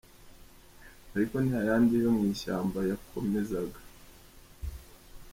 Ariko ni yayindi yo mw’ishyamba yakomezaga.